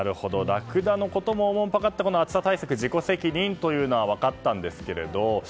ラクダのことも思ってこの暑さ対策自己責任というのは分かったんですけど